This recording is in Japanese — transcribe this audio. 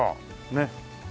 ねっ。